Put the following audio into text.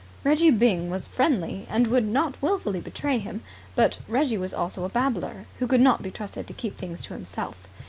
Reggie Byng was friendly, and would not wilfully betray him; but Reggie was also a babbler, who could not be trusted to keep things to himself.